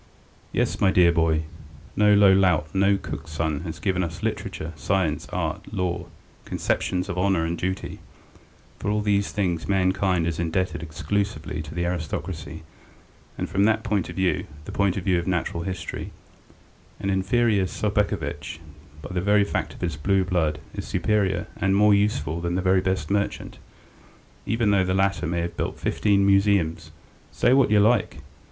Yes, my dear boy, no low lout, no cook's son has given us literature, science, art, law, conceptions of honour and duty .... For all these things mankind is indebted exclusively to the aristocracy, and from that point of view, the point of view of natural history, an inferior Sobakevitch by the very fact of his blue blood is superior and more useful than the very best merchant, even though the latter may have built fifteen museums. Say what you like!